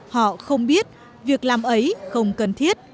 họ không biết việc làm ấy không cần thiết